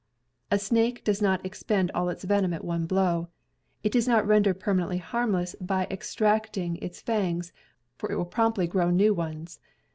A snake does not expend all its venom at one blow. It is not rendered permanently harmless by extracting its fangs, for it will promptly grow new ones.